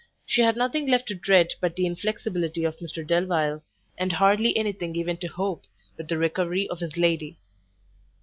She had nothing left to dread but the inflexibility of Mr Delvile, and hardly any thing even to hope but the recovery of his lady.